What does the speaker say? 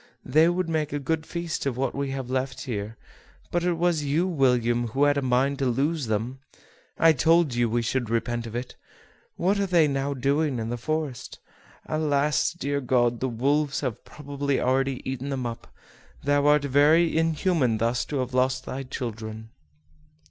they would make a good feast of what we have left here; but it was you, William, who had a mind to lose them: I told you we should repent of it. What are they now doing in the forest? Alas! dear God, the wolves have perhaps already eaten them up; thou art very inhuman thus to have lost thy children."